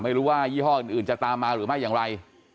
ไม่รู้ว่ายี่ห้ออื่นจะตามมาหรือไม่อย่างไร